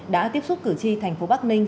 đã tiếp xúc cử tri thành phố bắc ninh